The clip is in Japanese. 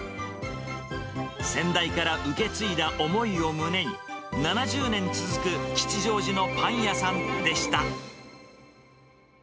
先代から受け継いだ思いを胸に、７０年続く吉祥寺のパン屋さんでした。